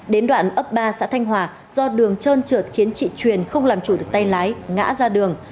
đến đoạn ấp ba xã thanh hòa do đường trơn trượt khiến chị truyền không làm chủ được tay lái ngã ra đường